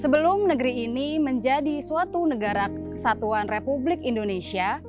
sebelum negeri ini menjadi suatu negara kesatuan republik indonesia